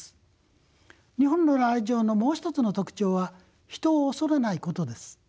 日本のライチョウのもう一つの特徴は人を恐れないことです。